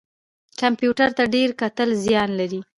کمپیوټر ته ډیر کتل زیان لري